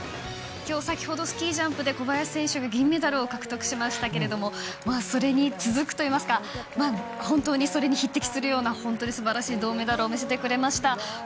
先ほどスキージャンプで小林選手が銀メダルを獲得しましたがそれに続くといいますか本当にそれに匹敵するような素晴らしい銅メダルを見せてくれました。